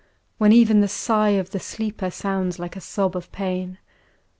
When even the sigh of the sleeper Sounds like a sob of pain.